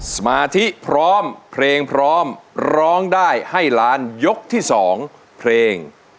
สมาธิพร้อมเพลงพร้อมร้องได้ให้ล้านยกที่๒เพลง